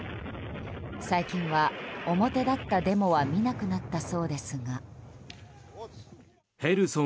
最近は表立ったデモは見なくなったそうですが。